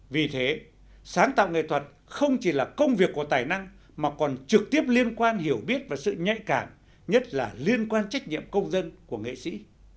vì thế sáng tạo nghệ thuật không chỉ là công việc của tài năng mà còn trực tiếp liên quan hiểu biết và sự nhạy cảm nhất là liên quan trách nhiệm công dân của nghệ sĩ